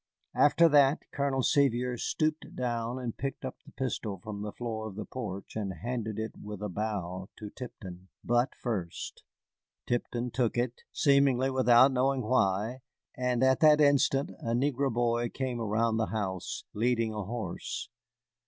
After that Colonel Sevier stooped down and picked up the pistol from the floor of the porch and handed it with a bow to Tipton, butt first. Tipton took it, seemingly without knowing why, and at that instant a negro boy came around the house, leading a horse.